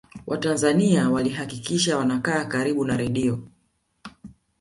watanzania walihakikisha wanakaa karibu na redio